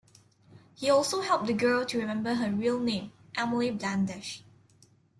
He also helped the girl to remember her real name: Emily Blandish.